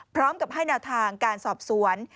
พร้อมกับให้แนวทางการสอบสวน